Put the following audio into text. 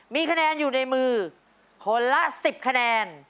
มีคะแนนอยู่ในมือคนละ๑๐คะแนน